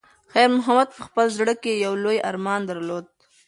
خیر محمد په خپل زړه کې یو لوی ارمان درلود.